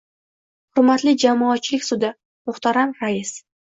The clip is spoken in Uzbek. — Hurmatli jamoatchilik sudi, muhtaram rais